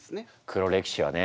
「黒歴史」はね